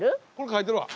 書いてるわ！